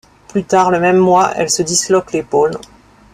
Plus tard le même mois, elle se disloque l'épaule.